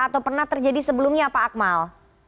atau pernah terjadi sebelumnya pak akmal